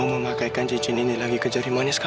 aku mau memakaikan cincin ini lagi ke jari manis kamu